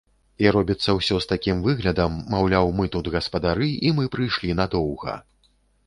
І робіцца ўсё з такім выглядам, маўляў, мы тут гаспадары і мы прыйшлі надоўга.